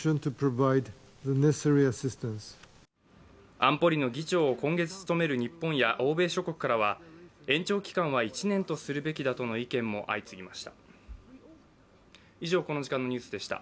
安保理の議長を今月務める日本や欧米諸国からは延長期間は１年とするべきだとの意見も相次ぎました。